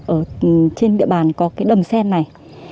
ở trên địa bàn có cái đầm sen này